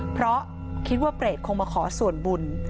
เพราะคิดว่าเปรตคงมาขอส่วนบุญ